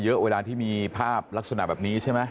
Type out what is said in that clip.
เวลาที่มีภาพลักษณะแบบนี้ใช่ไหม